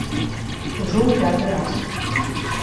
Ужо ў пяты раз.